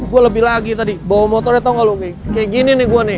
gua lebih lagi tadi bawa motornya tau ga lo kayak gini nih gua nih